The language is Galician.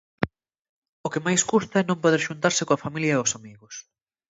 O que máis custa é non poder xuntarse coa familia e os amigos.